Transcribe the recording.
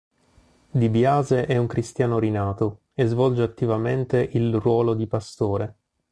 DiBiase è un cristiano rinato e svolge attivamente il ruolo di Pastore.